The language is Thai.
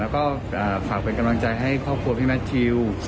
แล้วก็ฝากเป็นกำลังใจให้ครอบครัวพี่แมททิว